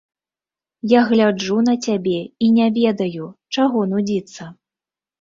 Я гляджу на цябе і не ведаю, чаго нудзіцца.